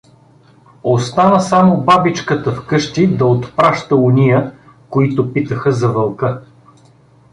Остана само бабичката в къщи да отпраща ония, които питаха за Вълка.